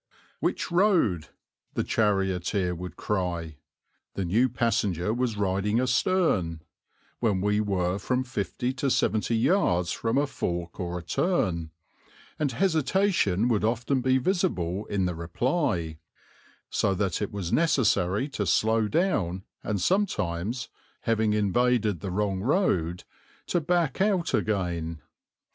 "Which road?" the charioteer would cry the new passenger was riding astern when we were from fifty to seventy yards from a fork or a turn, and hesitation would often be visible in the reply, so that it was necessary to slow down and sometimes, having invaded the wrong road, to back out again.